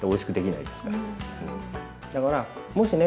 だからもしね